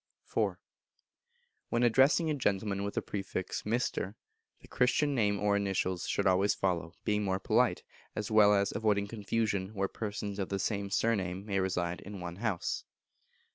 iv. When addressing a gentleman with the prefix "Mr.," the Christian name or initials should always follow, being more polite, as well as avoiding confusion where persons of the same surname may reside in one house.